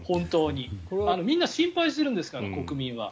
みんな心配しているんですから国民は。